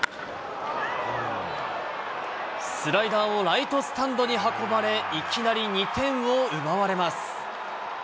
スライダーをライトスタンドに運ばれ、いきなり２点を奪われます。